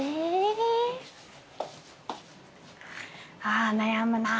あ悩むな。